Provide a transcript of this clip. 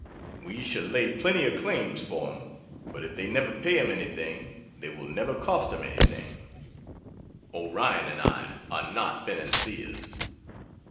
We shall lay plenty of claims for him, but if they never pay him anything, they will never cost him anything, Orion and I are not financiers.